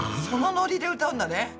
そのノリで歌うんだね。